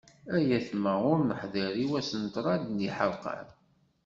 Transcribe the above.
Ay aytma! Ur neḥḍir, i wass n ṭrad n yiḥerqan.